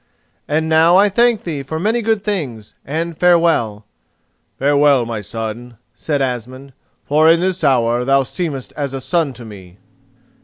And now I thank thee for many good things, and farewell." "Farewell, my son," said Asmund, "for in this hour thou seemest as a son to me."